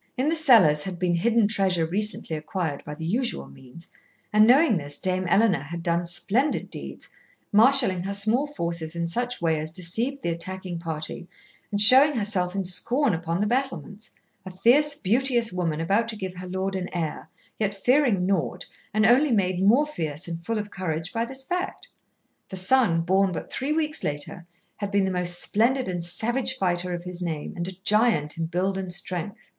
In the cellars had been hidden treasure recently acquired by the usual means, and knowing this, Dame Ellena had done splendid deeds, marshalling her small forces in such way as deceived the attacking party and showing herself in scorn upon the battlements, a fierce, beauteous woman about to give her lord an heir, yet fearing naught, and only made more fierce and full of courage by this fact. The son, born but three weeks later, had been the most splendid and savage fighter of his name, and a giant in build and strength.